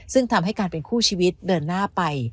ซึ่งทำให้การเป็นคู่ชีวิตเดินหน้าไป